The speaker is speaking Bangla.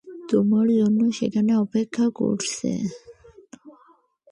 তোমার জন্য সেখানে অপেক্ষা করছে!